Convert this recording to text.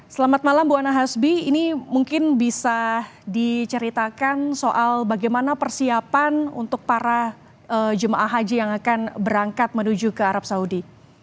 selamat malam bu ana hasbi ini mungkin bisa diceritakan soal bagaimana persiapan untuk para jemaah haji yang akan berangkat menuju ke arab saudi